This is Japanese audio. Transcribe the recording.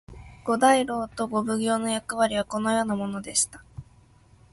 五大老と五奉行の役割はこのようなものでした。